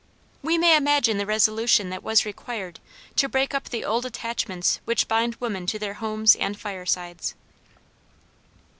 We may imagine the resolution that was required to break up the old attachments which bind women to their homes and firesides.